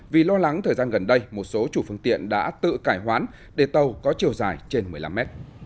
vì lo lắng thời gian gần đây một số chủ phương tiện đã tự cải hoán để tàu có chiều dài trên một mươi năm mét